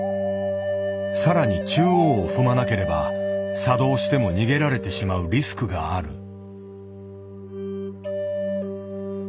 更に中央を踏まなければ作動しても逃げられてしまうリスクがある。